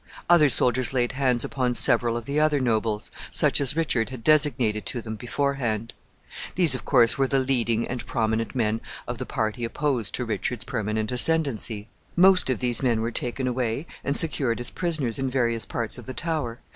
Other soldiers laid hands upon several of the other nobles, such as Richard had designated to them beforehand. These, of course, were the leading and prominent men of the party opposed to Richard's permanent ascendency. Most of these men were taken away and secured as prisoners in various parts of the Tower.